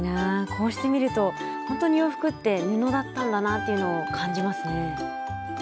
こうしてみるとほんとに洋服って布だったんだなっていうのを感じますね。